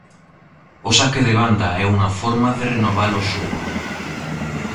O saque de banda é unha forma de renovar o xogo.